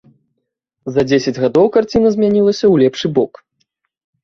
За дзесяць гадоў карціна змянілася ў лепшы бок.